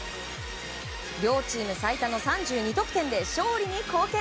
両チーム最多の３２得点で勝利に貢献。